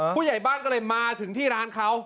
ผู้ใหญ่บ้านก็เลยมาถึงที่ร้านเขา